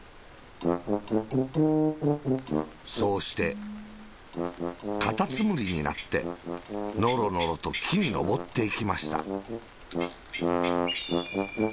そうして、カタツムリになって、ノロノロときにのぼっていきました。